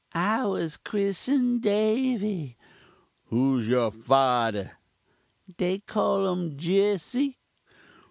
"'I was krissen'd Davy.' "'Who's your farder?' "'They call um Jesse.'